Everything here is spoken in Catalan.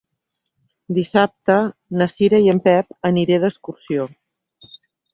Dissabte na Cira i en Pep aniré d'excursió.